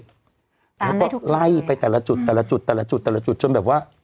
แล้วก็ไล่ไปแต่ละจุดแต่ละจุดแต่ละจุดแต่ละจุดจนแบบว่า